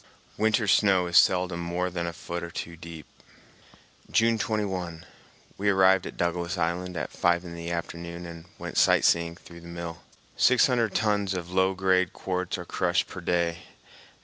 Winter snow is seldom more than a foot or two deep. June 21. We arrived at Douglas Island at five in the afternoon and went sight seeing through the mill. Six hundred tons of low grade quartz are crushed per day.